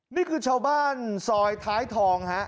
นี่คือชาวบ้านซอยท้ายทองฮะ